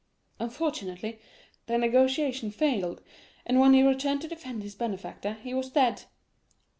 Unfortunately, the negotiation failed, and when he returned to defend his benefactor, he was dead.